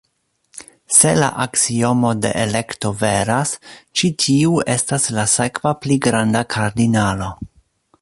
Se la aksiomo de elekto veras, ĉi tiu estas la sekva pli granda kardinalo.